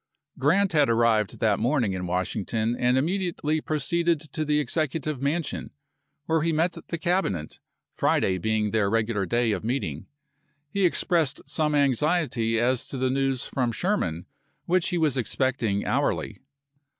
Grant had arrived that morning in Washington April u. and immediately proceeded to the Executive Man sion, where he met the Cabinet, Friday being their regular day of meeting. He expressed some anxiety as to the news from Sherman, which he was expect ing hourly.